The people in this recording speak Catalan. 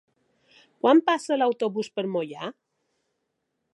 Quan passa l'autobús per Moià?